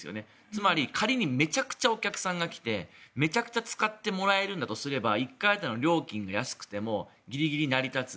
つまり、仮にめちゃくちゃお客さんが来てめちゃくちゃ使ってもらえるんだとすれば１回当たりの料金が安くてもギリギリ成り立つ。